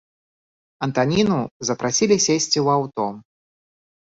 Антаніну запрасілі сесці ў аўто.